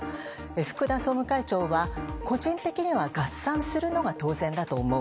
福田総務会長は、個人的には合算するのが当然だと思う。